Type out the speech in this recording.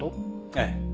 ええ。